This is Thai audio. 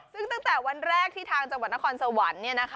ซึ่งตั้งแต่วันแรกที่ทางจังหวัดนครสวรรค์